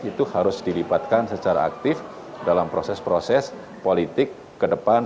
itu harus dilibatkan secara aktif dalam proses proses politik ke depan